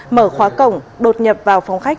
mở khóa cổng đột nhập vào phòng khách